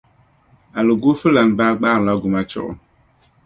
Aliguufulana baa gbaarila gumachuɣu.